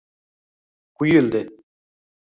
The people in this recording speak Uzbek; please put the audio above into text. Quyildi